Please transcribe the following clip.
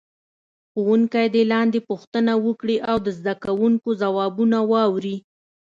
ښوونکی دې لاندې پوښتنه وکړي او د زده کوونکو ځوابونه واوري.